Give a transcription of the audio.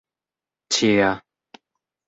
ĉia